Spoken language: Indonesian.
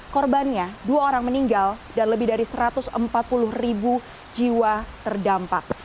korbannya dua orang meninggal dan lebih dari satu ratus empat puluh ribu jiwa terdampak